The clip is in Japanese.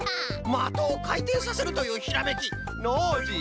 まとをかいてんさせるというひらめきノージー